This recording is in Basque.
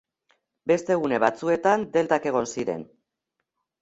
Beste gune batzuetan deltak egon ziren.